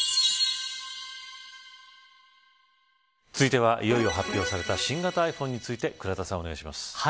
続いては、いよいよ発表された新型ｉＰｈｏｎｅについて倉田さん、お願いします。